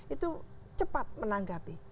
itu cepat menanggapi